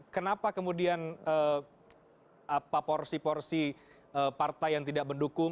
kenapa kemudian apa porsi porsi partai yang tidak mendukung